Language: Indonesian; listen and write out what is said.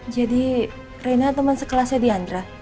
jadi reina teman sekelasnya dianra